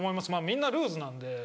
みんなルーズなんで。